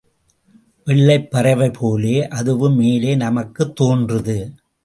வெள்ளைப் பறவை போலே அதுவும் மேலே நமக்குத் தோன்றுது.